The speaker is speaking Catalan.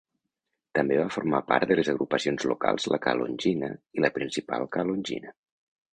També va formar part de les agrupacions locals la Calongina i la Principal Calongina.